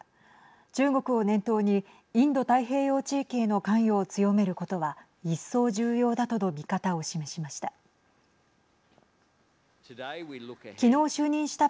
中国を念頭にインド太平洋地域への関与を強めることはいっそう重要だとの見方を示しました。